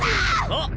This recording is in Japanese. あっ？